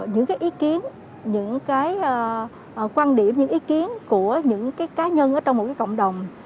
những cái ý kiến những cái quan điểm những ý kiến của những cái cá nhân trong một cái cộng đồng